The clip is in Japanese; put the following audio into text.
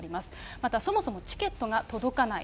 また、そもそもチケットが届かない。